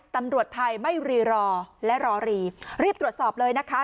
ตำรวจไทยไม่รีรอและรอรีรีบตรวจสอบเลยนะคะ